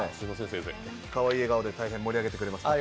笑顔で大変盛り上げてくれました。